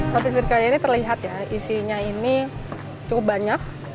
roti serikaya ini terlihat ya isinya ini cukup banyak